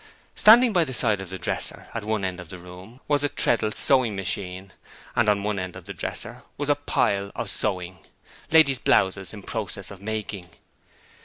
Standing by the side of the dresser at one end of the room was a treadle sewing machine, and on one end of the dresser was a a pile of sewing: ladies' blouses in process of making.